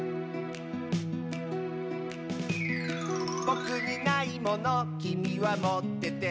「ぼくにないものきみはもってて」